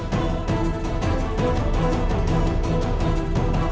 tidak ada yang bisa dipercaya